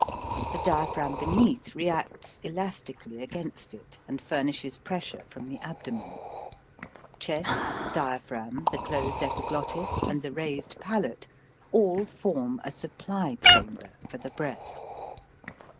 The diaphragm beneath reacts elas tically against it, and furnishes pressure from the abdomen. Chest, diaphragm, the closed epiglottis and the raised palate all form a sup ply chamber for the breath.